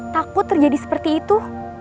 takut terjadi seperti itu